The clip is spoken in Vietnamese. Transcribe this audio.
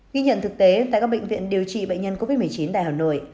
ghi nhận thực tế tại các bệnh viện điều trị bệnh nhân covid một mươi chín tại hà nội